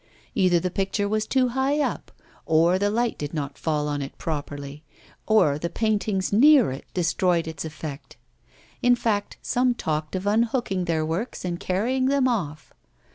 Either the picture was too high up, or the light did not fall upon it properly, or the paintings near it destroyed its effect; in fact, some talked of unhooking their works and carrying them off.